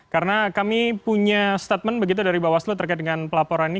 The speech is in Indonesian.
karena kami punya statement begitu dari bawaslu terkait dengan pelaporan ini